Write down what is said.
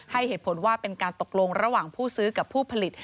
ให้เหตุผลว่าเป็นการตกลงระหว่างผู้ซื้อกับผู้ผลิต